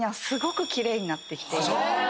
え！